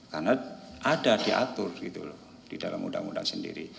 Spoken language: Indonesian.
karena ada diatur di dalam undang undang sendiri